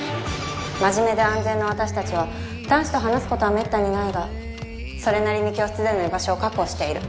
真面目で安全な私たちは男子と話すことは滅多にないがそれなりに教室での居場所を確保している。